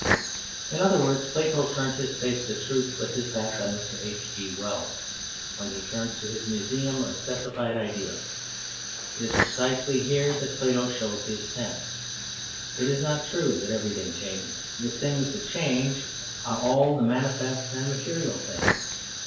In other words, Plato turned his face to truth but his back on Mr. H. G. Wells, when he turned to his museum of specified ideals. It is precisely here that Plato shows his sense. It is not true that everything changes; the things that change are all the manifest and material things.